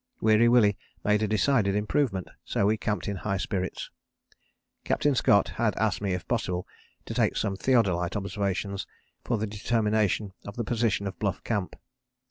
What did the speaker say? Weary Willie made a decided improvement, so we camped in high spirits. Captain Scott had asked me if possible to take some theodolite observations for the determination of the position of Bluff Camp.